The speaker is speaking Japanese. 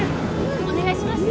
お願いします